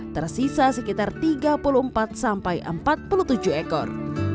tersisa sekitar tiga puluh empat sampai empat puluh tujuh ekor